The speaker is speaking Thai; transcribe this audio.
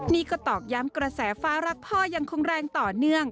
นี่ก็ตอกย้ำกระแสฟ้ารักพ่อยังคงแรงต่อเนื่อง